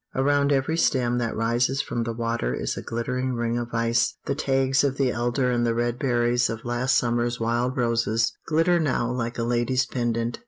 Around every stem that rises from the water is a glittering ring of ice. The tags of the alder and the red berries of last summer's wild roses glitter now like a lady's pendant.